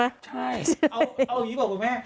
ใช่เอาอย่างนี้บอกครูแม่